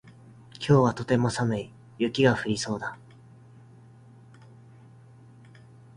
今日はとても寒い。雪が降りそうだ。